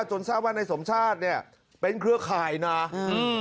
จนทราบว่านายสมชาติเนี้ยเป็นเครือข่ายนะอืม